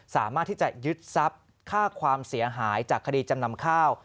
สามารถที่จะยึดทรัพย์ค่าความเสียหายจากคดีจำนำข้าว